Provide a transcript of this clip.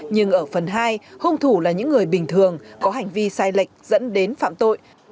nhưng ở phần hai hung thủ là những người bình thường có hành vi sai lệch dẫn đến phạm tội